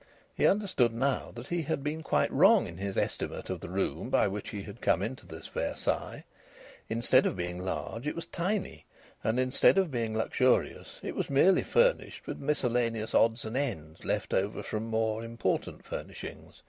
He understood now that he had been quite wrong in his estimate of the room by which he had come into this Versailles. Instead of being large it was tiny, and instead of being luxurious it was merely furnished with miscellaneous odds and ends left over from far more important furnishings.